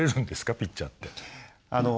ピッチャーって。